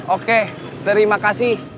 oke terima kasih